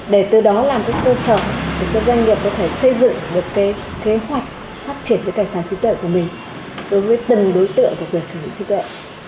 để từ đó làm cơ sở để cho doanh nghiệp có thể xây dựng được kế hoạch phát triển cái tài sản trí tuệ của mình đối với từng đối tượng của quyền sở hữu trí tuệ